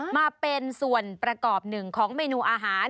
มาเป็นส่วนประกอบหนึ่งของเมนูอาหาร